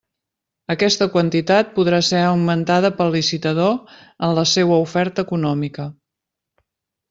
Aquesta quantitat podrà ser augmentada pel licitador en la seua oferta econòmica.